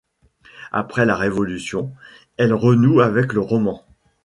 Après la Révolution, elle renoue avec le roman.